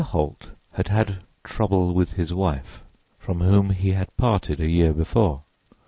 Holt had had "trouble with his wife," from whom he had parted a year before.